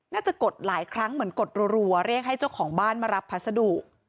จะกดหลายครั้งเหมือนกดรัวเรียกให้เจ้าของบ้านมารับพัสดุ